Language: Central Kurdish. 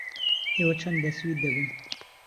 ئێوە چەند لە سوید دەبن؟